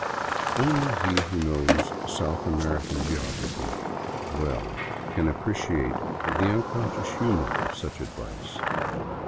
Only he who knows South American geography well can appreciate the uncon scious humor of such advice.